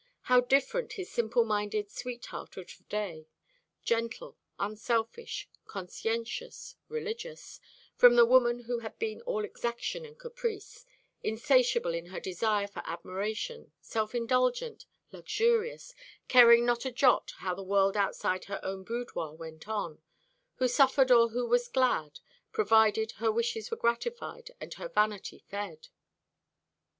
How different his simple minded sweetheart of to day gentle, unselfish, conscientious, religious from the woman who had been all exaction and caprice; insatiable in her desire for admiration, self indulgent, luxurious, caring not a jot how the world outside her own boudoir went on, who suffered or who was glad, provided her wishes were gratified and her vanity fed!